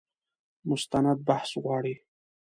مستند بحث غواړي.